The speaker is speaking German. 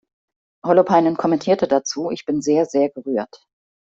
Holopainen kommentierte dazu: "Ich bin sehr, sehr gerührt.